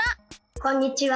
こんにちは。